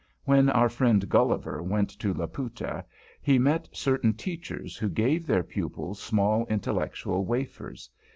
When our friend Gulliver went to Laputa, he met certain Teachers who gave their pupils small intellectual wafers.